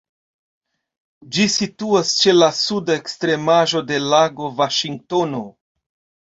Ĝi situas ĉe la suda ekstremaĵo de Lago Vaŝingtono.